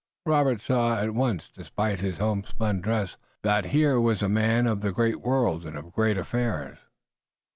Robert saw at once, despite his homespun dress, that here was a man of the great world and of great affairs.